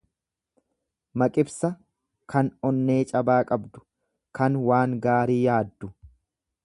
Maqibsa kan onnee cabaa qabdu, kan waan gaarii yaaddu.